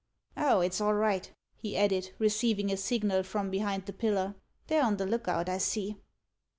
Oh, it's all right!" he added, receiving a signal from behind the pillar. "They're on the look out, I see."